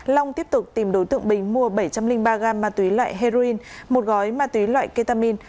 long tiếp tục tìm đối tượng bình mua bảy trăm linh ba gam ma túy loại heroin một gói ma túy loại ketamin